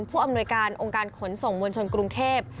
ผู้อำนวยการองค์การขนส่งมวลชนกรุงเทพ